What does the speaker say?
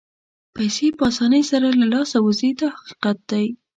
پیسې په اسانۍ سره له لاسه وځي دا حقیقت دی.